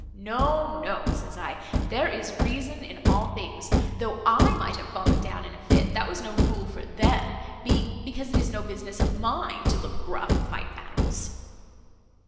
No, no, says I, there is reason in all things: though I might have fallen down in a fit that was no rule for them, being, because it is no business of mine to look gruff, and fight battles."